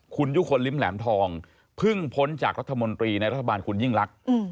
คุณยุคลลิ้มแหลมทองเพิ่งพ้นจากรัฐมนตรีในรัฐบาลคุณยิ่งลักษณ์